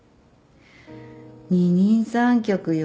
二人三脚よ